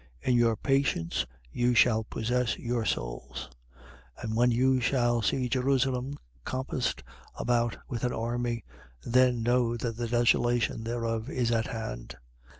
21:19. In your patience you shall possess your souls. 21:20. And when you shall see Jerusalem compassed about with an army, then know that the desolation thereof is at hand.